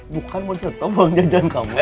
bukan mau di stop uang jajan kamu